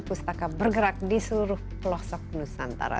pustaka bergerak di seluruh pelosok nusantara